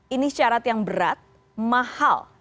ini syarat yang berat mahal